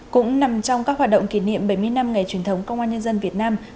cũng nằm trong các hoạt động kỷ niệm bảy mươi năm ngày truyền thống công an nhân dân việt nam